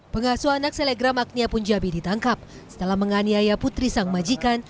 pengasuh anak selegram agnia punjabi ditangkap setelah menganiaya putri sang majikan